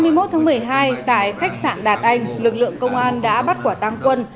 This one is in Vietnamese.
ngày một tháng một mươi hai tại khách sạn đạt anh lực lượng công an đã bắt quả tăng quân